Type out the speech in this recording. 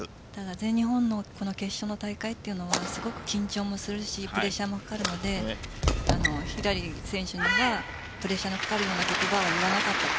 全日本の決勝の大会というのはすごく緊張もするしプレッシャーもかかるのでひらり選手はプレッシャーのかかるような言葉を言わなかったと。